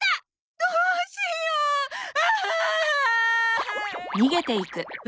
どうしよう！